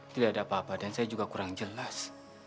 tidak ada apa apa dan saya juga kurang jelas